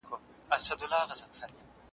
افلاطون په لوېدیځ کي مشهور فیلسوف و.